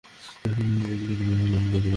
বর্তমানে আমি একটি বিশেষ কুকুর প্রশিক্ষণ দিচ্ছি।